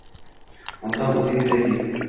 Unda, o‘zingiz ayting?